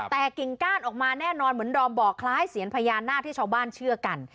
แต่กิ่งก้านออกมาแน่นอนเหมือนดอมบอกคล้ายเสียงพญานาคที่ชาวบ้านเชื่อกัน